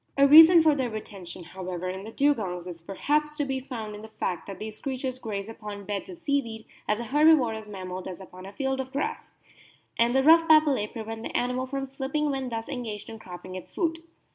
A reason for their re tention, however, in the Dugongs is perhaps to be found in the fact that these creatures graze upon beds of seaweed as a Herbivorous mammal does upon a field of grass ; and the rough papillae prevent the animal from slipping when thus engaged in cropping its food.